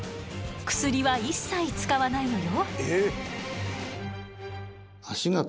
薬は一切使わないのよ。